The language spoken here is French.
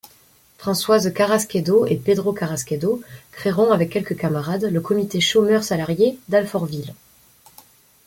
Françoise Carrasquedo et Pedro Carrasquedo créeront avec quelques camarades le Comité chômeurs salariés d'Alfortville.